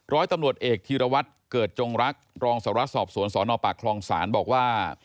ร้อยตำรวจเอกธีรวัตรเกิดจงรักรองสารวัสสอบสวนสนปากคลองศาลบอกว่า